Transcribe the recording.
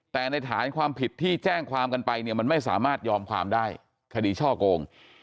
แต่ในฐานความผิดที่แจ้งความกันไปเนี่ยมันไม่สามารถยอมความได้คดีช่อโกง